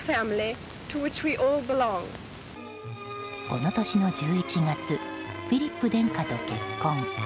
この年の１１月フィリップ殿下と結婚。